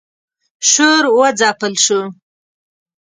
شور و ځپل شو.